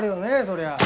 そりゃあ。